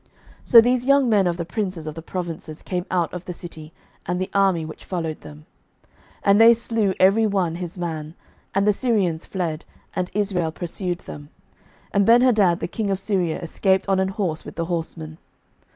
11:020:019 So these young men of the princes of the provinces came out of the city, and the army which followed them. 11:020:020 And they slew every one his man: and the Syrians fled; and Israel pursued them: and Benhadad the king of Syria escaped on an horse with the horsemen.